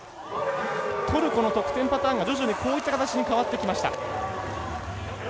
トルコの得点パターンが徐々に、こういった形に変わってきました。